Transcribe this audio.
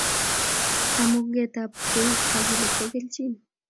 Kamuket ab kagilet kokelchin